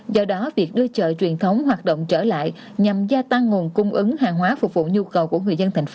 do đó việc đưa chợ truyền thống hoạt động trở lại nhằm gia tăng nguồn cung ứng hàng hóa phục vụ nhu cầu của người dân thành phố